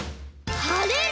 「はれる」！